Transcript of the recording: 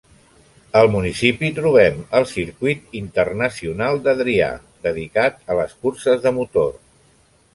Al municipi trobem el Circuit Internacional d'Adria dedicat a les curses de motor.